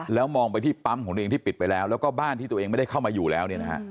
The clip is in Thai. แล้วมองไปที่ปั๊มของตัวเองที่ปิดไปแล้วแล้วก็บ้านที่ตัวเองไม่ได้เข้ามาอยู่แล้ว